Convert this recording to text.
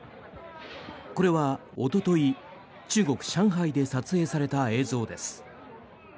これはおととい、中国・上海で撮影された映像です。